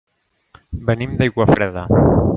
Venim d'Aiguafreda.